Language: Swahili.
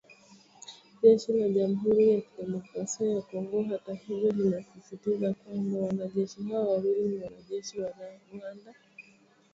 Jeshi la Jamhuri ya kidemokrasia ya Kongo hata hivyo linasisitiza kwamba wanajeshi hao wawili ni wanajeshi wa Rwanda na kwamba kamanda wao ni Luteni.